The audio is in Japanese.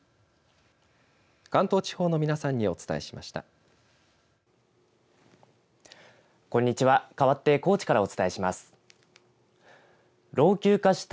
関東地方の皆さんにお伝えしました。